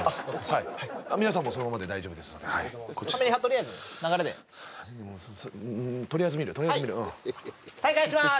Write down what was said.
はい皆さんもそのままで大丈夫ですのでカメリハとりあえず流れでもうとりあえず見るとりあえず見るうん再開します